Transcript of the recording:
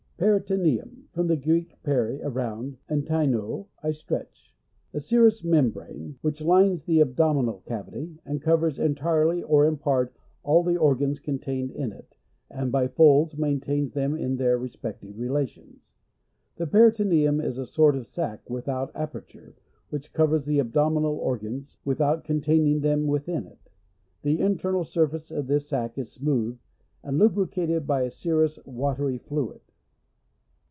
Peritoneum — From the Greek, peri, around, and Iein6, I stretch. A scious membrane which lines the 10* abdominal cavity, and covers entire ly or in part all the organs con tained in it, and by folds, maintains them in their respective relation*. The peritoneum is a sort of sac without aperture, which covers the abdominal organs, without contain ing them within it; the internal surface of this sac is smooth, and lubricated by a serous (watery) fluid.